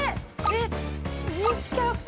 えっ？